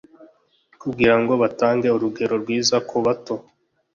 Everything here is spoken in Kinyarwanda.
kugira ngo batange urugero rwiza ku bato